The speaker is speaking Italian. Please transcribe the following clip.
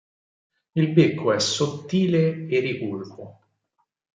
Il becco è sottile e ricurvo.